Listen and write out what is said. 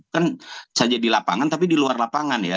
kan saja di lapangan tapi di luar lapangan ya